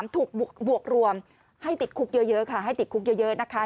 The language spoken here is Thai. ถูกบวกรวมให้ติดคุกเยอะค่ะให้ติดคุกเยอะนะคะ